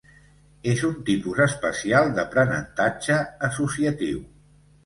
És un tipus especial d'aprenentatge associatiu.